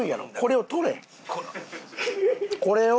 これを！